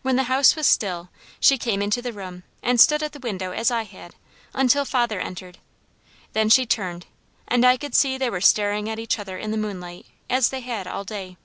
When the house was still, she came into the room, and stood at the window as I had, until father entered, then she turned, and I could see they were staring at each other in the moonlight, as they had all day.